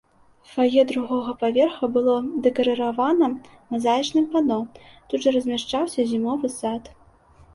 Фае другога паверха было дэкарыравана мазаічным пано, тут жа размяшчаўся зімовы сад.